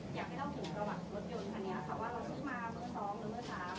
อยากให้เล่าถึงกระหว่างรถยนต์คันนี้ครับ